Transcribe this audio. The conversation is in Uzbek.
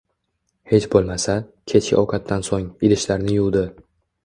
Hech boʻlmasa, kechki ovqatdan soʻng, idishlarni yuvdi